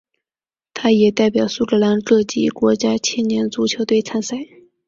他也代表苏格兰各级国家青年足球队参赛。